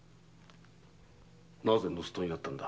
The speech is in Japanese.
なぜ盗っ人になったんだ？